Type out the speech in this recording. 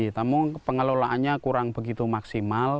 namun pengelolaannya kurang begitu maksimal